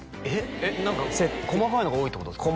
えっ何か細かいのが多いってことですか？